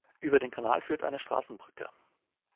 Über den Kanal führt eine Straßenbrücke.